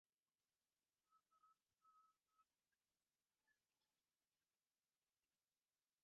তাই রিকন্ডিশন্ড গাড়ির দামের প্রতিযোগিতায় এগিয়ে যায়।